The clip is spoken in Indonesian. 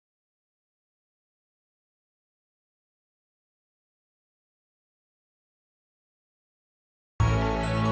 taulah aku kalau liat k millennial di kantor atau di bottles atau gelap selalu berburu